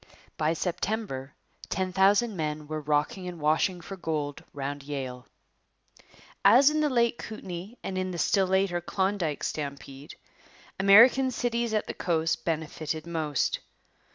By September ten thousand men were rocking and washing for gold round Yale. As in the late Kootenay and in the still later Klondike stampede, American cities at the coast benefited most.